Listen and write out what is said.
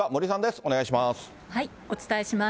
お願いします。